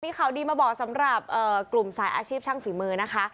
มีข่าวดีมาบอกสำหรับกลุ่มสายอาชีพช่างฝีมือนะคะ